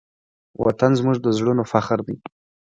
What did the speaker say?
وطن زموږ د زړونو فخر دی.